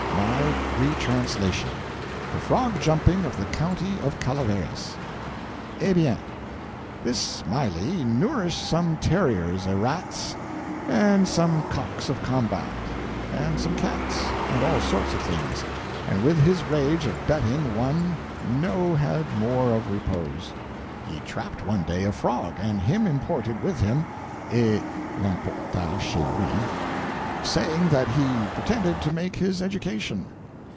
(My Retranslation.) THE FROG JUMPING OF THE COUNTY OF CALAVERAS Eh bien! this Smiley nourished some terriers a rats, and some cocks of combat, and some cats, and all sorts of things: and with his rage of betting one no had more of repose. He trapped one day a frog and him imported with him (et l'emporta chez lui) saying that he pretended to make his education.